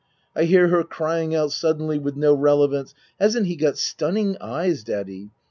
I hear her crying out suddenly with no relevance, " Hasn't he got stunning eyes, Daddy